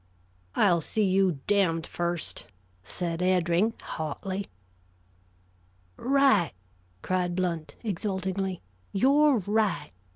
"I'll see you damned first," said Eddring, hotly. "Right!" cried Blount, exultingly. "You're right.